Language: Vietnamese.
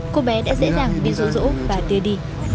cô bé đã dễ dàng bị rỗ rỗ và tia đi